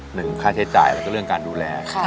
หนึ่งค่าใช้จ่ายแล้วก็เรื่องการดูแล